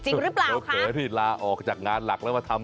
หรือเปล่าโลเขที่ลาออกจากงานหลักแล้วมาทำ